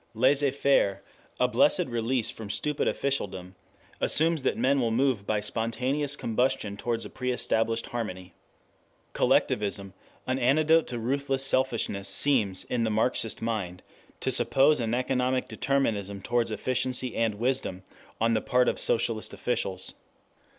Laissez faire, a blessed release from stupid officialdom, assumes that men will move by spontaneous combustion towards a pre established harmony. Collectivism, an antidote to ruthless selfishness, seems, in the Marxian mind, to suppose an economic determinism towards efficiency and wisdom on the part of socialist officials.